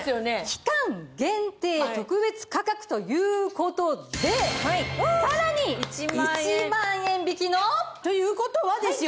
期間限定特別価格という事でさらに１万円引きの。という事はですよ。